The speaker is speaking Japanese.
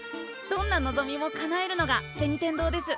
どんな望みもかなえるのが銭天堂です。